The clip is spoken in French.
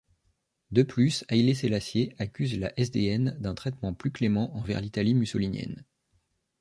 De plus, Hailé Sélassié accuse la SdN d’un traitement plus clément envers l’Italie mussolinienne.